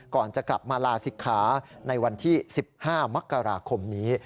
ก่อนจะกลับมาลาศิกขาในวันที่๑๕มกราคมนี้